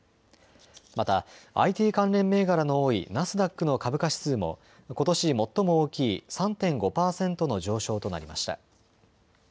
またＩＴ関連銘柄の多いナスダックの株価指数もことし最も大きい３．５％の上昇となりました。